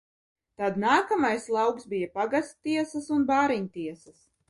Tad nākamais lauks bija pagasttiesas un bāriņtiesas.